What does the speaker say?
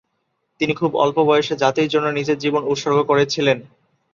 তিনি খুব অল্প বয়সে জাতির জন্য নিজের জীবন উৎসর্গ করেছিলেন।